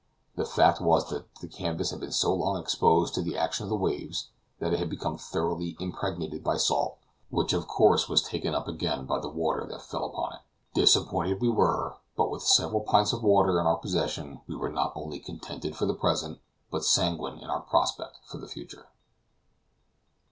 The fact was that the canvas had been so long exposed to the action of the waves, that it had become thoroughly impregnated by salt, which of course was taken up again by the water that fell upon it. Disappointed we were; but with several pints of water in our possession, we were not only contented for the present, but sanguine in our prospect for the future.